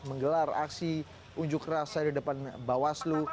menggelar aksi unjuk rasa di depan bawaslu